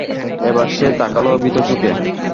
এবার সে তাকাল ভীত চোখে।